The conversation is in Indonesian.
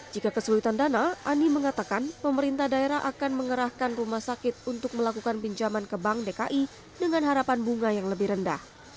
jika kesulitan dana ani mengatakan pemerintah daerah akan mengerahkan rumah sakit untuk melakukan pinjaman ke bank dki dengan harapan bunga yang lebih rendah